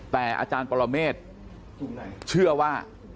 แต่อาจารย์ปรเมฆเชื่อว่า